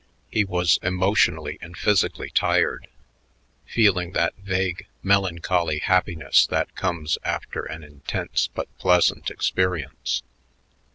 He was emotionally and physically tired, feeling that vague, melancholy happiness that comes after an intense but pleasant experience.